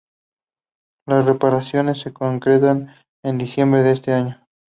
Las reparaciones se concretan en diciembre de ese año.